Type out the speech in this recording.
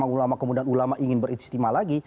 pilihan di luar ulama kemudian ulama ingin beristimewa lagi